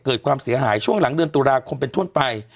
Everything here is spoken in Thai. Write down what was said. เกิดความเสียหายช่วงหลังเดือนตุลาคมเป็นต้นไป